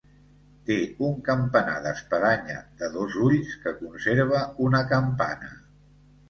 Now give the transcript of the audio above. Té un campanar d'espadanya de dos ulls que conserva una campana.